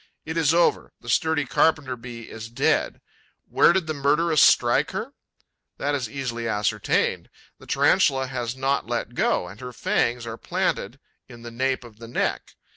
It is over: the sturdy Carpenter bee is dead. Where did the murderess strike her? That is easily ascertained: the Tarantula has not let go; and her fangs are planted in the nape of the neck.